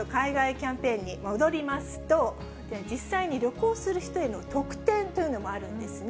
キャンペーンに戻りますと、実際に旅行する人への特典というのもあるんですね。